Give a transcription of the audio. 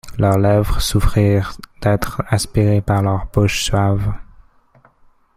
Leurs lèvres souffrirent d'être aspirées par leurs bouches suaves.